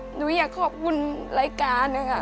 หนูอยากขอบคุณรายการ